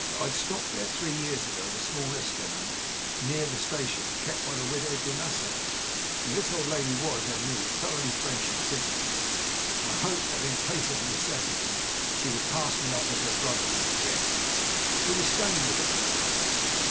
I'd stopped there three years ago at a small estaminet near the station kept by the widow Demassiet. Now this old lady was, I knew, thoroughly French in sympathies; and I hoped that, in case of necessity, she would pass me off as her brother from Ghent, who was staying with her for a while.